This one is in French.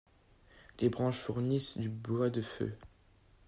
Les branches fournissent du bois de feu.